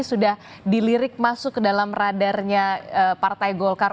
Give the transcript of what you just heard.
sudah dilirik masuk ke dalam radarnya partai golkar